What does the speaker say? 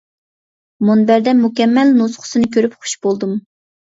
مۇنبەردە مۇكەممەل نۇسخىسىنى كۆرۈپ خۇش بولدۇم.